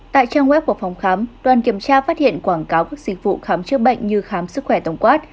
tại trang web của phòng khám đoàn kiểm tra phát hiện quảng cáo các dịch vụ khám chữa bệnh như khám sức khỏe tổng quát